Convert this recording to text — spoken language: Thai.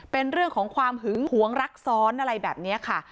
เป็นเรื่องของความหึงหวงรักซ้อนอะไรแบบนี้ค่ะ